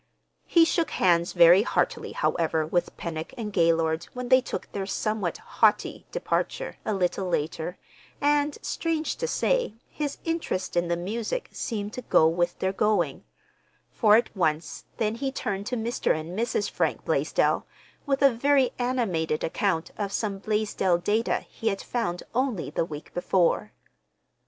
He shook hands very heartily, however, with Pennock and Gaylord when they took their somewhat haughty departure, a little later, and, strange to say, his interest in the music seemed to go with their going; for at once then he turned to Mr. and Mrs. Frank Blaisdell with a very animated account of some Blaisdell data he had found only the week before.